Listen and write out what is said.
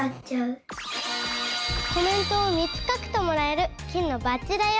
コメントを３つ書くともらえる金のバッジだよ。